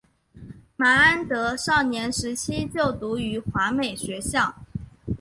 麻安德少年时期就读于华美学校。